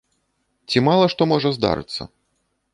Ці мала што можа здарыцца.